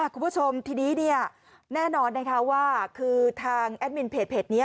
คุณผู้ชมทีนี้แน่นอนนะคะว่าคือทางแอดมินเพจนี้